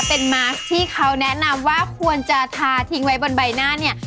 เป็นมาร์คที่เขาแนะนำว่าควรจะทาทิ้งไว้บนใบหน้าเนี่ย